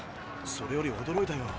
それよりおどろいたよ。